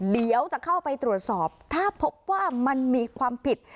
เดี๋ยวจะเข้าไปตรวจสอบถ้าพบว่ามันมีความผิด